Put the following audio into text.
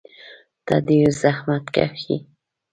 ته ډېر زحمتکښ یې.